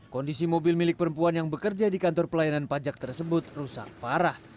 kondisi mobil milik perempuan yang bekerja di kantor pelayanan pajak tersebut rusak parah